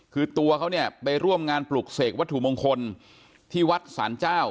คือตัวเขาเนี่ยไปร่วมงานปลุกเสกวัตถุมงคลที่วัดศาลเจ้า